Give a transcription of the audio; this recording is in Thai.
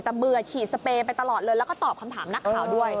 แต่เบื่อฉีดสเปย์ไปตลอดเลยแล้วก็ตอบคำถามนักข่าวด้วย